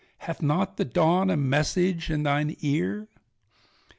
Hath not the Dawn a message in thine ear?